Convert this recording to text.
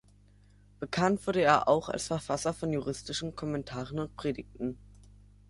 Bekannt wurde er auch als Verfasser von juristischen Kommentaren und Predigten.